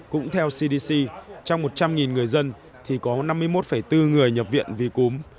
cũng theo cdc trong một trăm linh người dân thì có năm mươi một bốn người nhập viện vì cúm